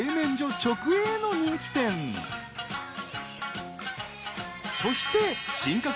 直営の人気店そして進化系